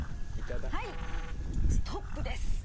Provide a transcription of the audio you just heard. はいストップです！